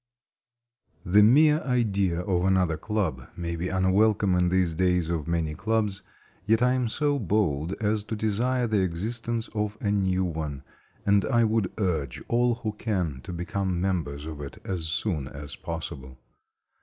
The mere idea of another club may be unwelcome in these days of many clubs, yet I am so bold as to desire the existence of a new one; and I would urge all who can, to become members of it as soon as possible.